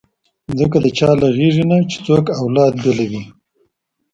ځکه د چا له غېږې نه چې څوک اولاد بېلوي.